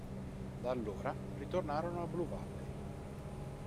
Da allora, ritornarono a Blue Valley.